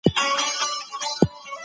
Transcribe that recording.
د هغې پېښي قربانیان څوک وه؟